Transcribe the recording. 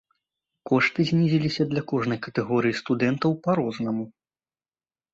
Кошты знізіліся для кожнай катэгорыі студэнтаў па-рознаму.